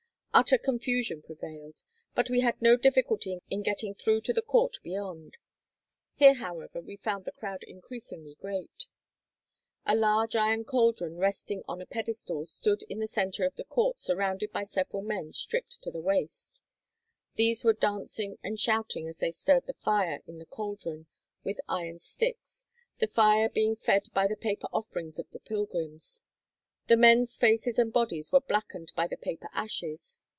Utter confusion prevailed, but we had no difficulty in getting through to the court beyond; here, however, we found the crowd increasingly great. A large iron caldron resting on a pedestal stood in the center of the court surrounded by several men stripped to the waist, these were dancing and shouting as they stirred the fire in the caldron with iron sticks, the fire being fed by the paper offerings of the pilgrims. The men's faces and bodies were blackened by the paper ashes.